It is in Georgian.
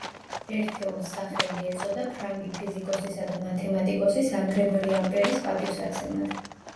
ერთეულს სახელი ეწოდა ფრანგი ფიზიკოსისა და მათემატიკოსის ანდრე მარი ამპერის პატივსაცემად.